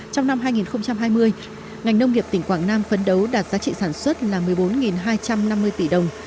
trong năm hai nghìn hai mươi ngành nông nghiệp tỉnh quảng nam phấn đấu đạt giá trị sản xuất là một mươi bốn hai trăm năm mươi tỷ đồng